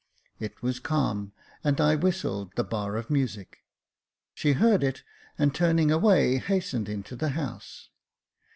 It was calm, and I whistled the bar of music. She heard it, and, turning away, hastened into the house.